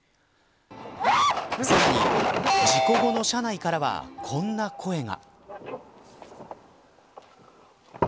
さらに、事故後の車内からはこんな声が。